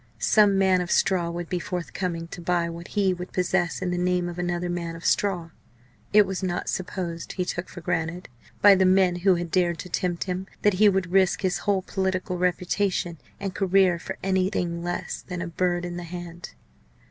Some man of straw would be forthcoming to buy what he would possess in the name of another man of straw. It was not supposed he took for granted by the men who had dared to tempt him, that he would risk his whole political reputation and career for anything less than a bird in the hand.